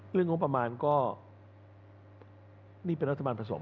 งบประมาณก็นี่เป็นรัฐบาลผสม